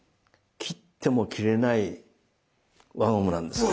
切っても切れない輪ゴムなんです。